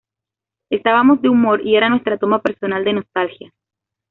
Estábamos de humor y era nuestra toma personal de nostalgia.